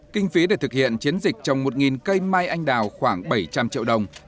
kinh phí để thực hiện chiến dịch trồng một cây mai anh đào khoảng bảy trăm linh triệu đồng